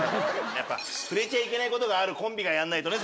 やっぱ触れちゃいけない事があるコンビがやんないとね